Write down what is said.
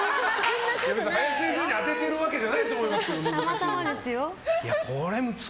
林先生に当ててるわけじゃないと思いますけど。